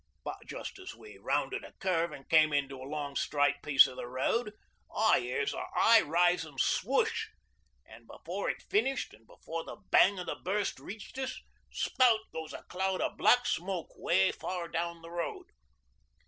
But just as we rounded a curve an' came into a long straight piece o' the road, I hears a high risin' swoosh an' before it finished an' before the bang o' the burst reached us, spout goes a cloud o' black smoke 'way far down the road.'